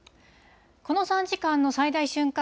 この３時間の最大瞬間